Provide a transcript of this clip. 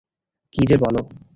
কি যে বলো?